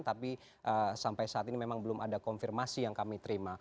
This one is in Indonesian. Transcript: tapi sampai saat ini memang belum ada konfirmasi yang kami terima